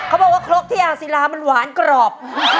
แล้วก็รีบกลับมาครับ